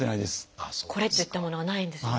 これといったものがないんですね。